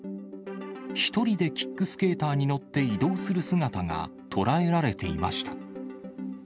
１人でキックスケーターに乗って移動する姿が捉えられていました。